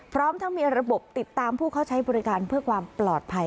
พร้อมทั้งมีระบบติดตามผู้เข้าใช้บริการเพื่อความปลอดภัย